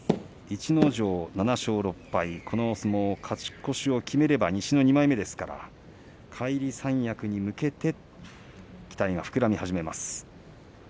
逸ノ城、７勝６敗この相撲、勝ち越しを決めれば西の２枚目ですから返り三役に向けて期待が膨らみ始めます。